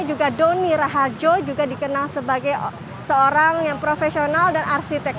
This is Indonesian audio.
dan juga doni rahajo juga dikenal sebagai seorang yang profesional dan arsitek